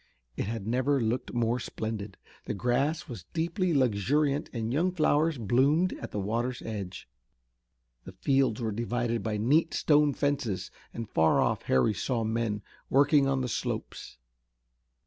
It had never looked more splendid. The grass was deeply luxuriant and young flowers bloomed at the water's edge. The fields were divided by neat stone fences and far off Harry saw men working on the slopes.